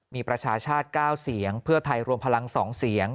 มีประชาชาติ๙เสียงเพื่อไทยรวมพลัง๒เสียง